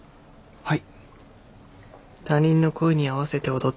はい？